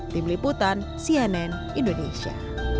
tim liputan cnn indonesia